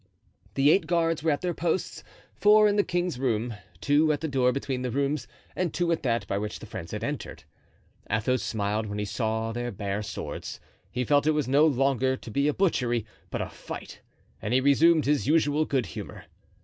The eight guards were at their posts. Four in the king's room, two at the door between the rooms and two at that by which the friends had entered. Athos smiled when he saw their bare swords; he felt it was no longer to be a butchery, but a fight, and he resumed his usual good humor.